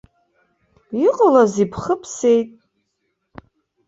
Иҟалазеи, бхы бсеит?!